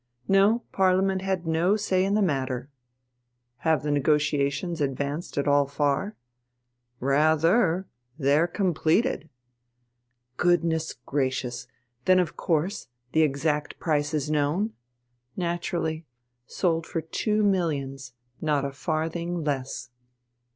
No, Parliament had no say in the matter. Have the negotiations advanced at all far? Rather, they're completed. Goodness gracious, then of course the exact price is known? Naturally. Sold for two millions, not a farthing less.